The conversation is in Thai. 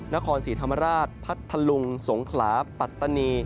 นครศรีธรรมราชพัทธลุงสงขลาปัตตานี